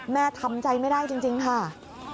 ทำใจไม่ได้จริงค่ะ